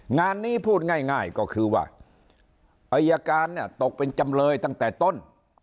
งานนี้พูดง่ายก็คือว่าอายการเนี่ยตกเป็นจำเลยตั้งแต่ต้น